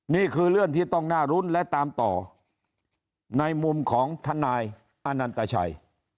นี่คือเรื่องที่ต้องน่ารุ้นและตามต่อในมุมของทนายอนันตชัย